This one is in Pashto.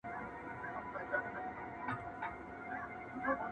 مګر سوځي یو د بل کلي کورونه!!